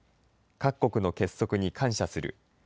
各国の結束に感謝する。